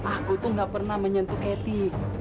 aku tuh gak pernah menyentuh ketik